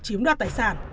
chiếm đoạt tài sản